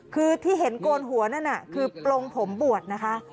คือที่เห็นโกนหัวนั่นน่ะคือปลงผมบวชนะคะ